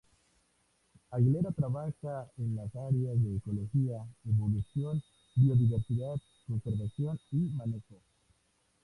Aguilera trabaja en las áreas de ecología, evolución, biodiversidad, conservación y manejo.